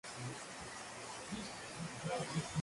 Stewart llenó ese papel por algunos años.